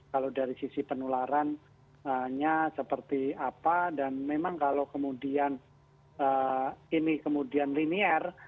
kalau dari sisi penularannya seperti apa dan memang kalau kemudian ini kemudian linear